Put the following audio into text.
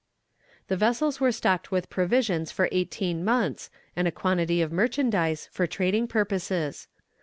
The vessels were stocked with provisions for eighteen months, and a quantity of merchandise, for trading purposes.